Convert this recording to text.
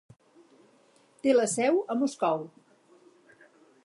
Té la seu a Moscou.